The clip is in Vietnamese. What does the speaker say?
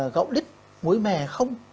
gạo lít muối mè không